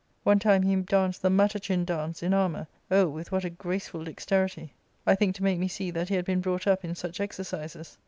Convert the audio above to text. " One time he danced the matachin dance* in armour — oh, with what a graceful dexterity !— I think to make me see that he had been brought up in such exercises.